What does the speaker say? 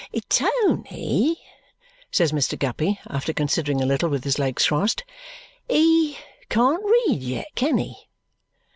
"Tony," says Mr. Guppy after considering a little with his legs crossed, "he can't read yet, can he?"